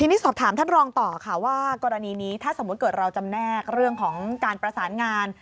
ทีนี้สอบถามท่านรองต่อค่ะว่ากรณีนี้ถ้าสมมุติเกิดเราจำแนกเรื่องของการประสานงาน